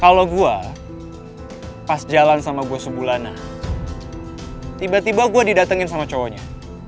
kalau gua pas jalan sama gua sebulana tiba tiba gua didatengin sama cowoknya